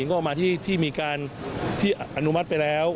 ก็มาที่มีการที่อนุมัติไปแล้ว